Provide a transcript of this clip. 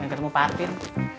yang ketemu patin